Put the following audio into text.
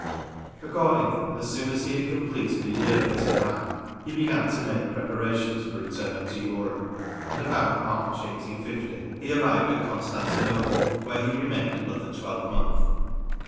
Accordingly, as soon as he had completed a year in Teheran, he began to make prepara tions for returning to Europe ; and about March, 1850, he arrived at Constantinople, where he remained another twelvemonth.